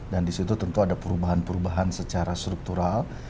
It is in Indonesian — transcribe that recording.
dan di situ tentu ada perubahan perubahan secara struktural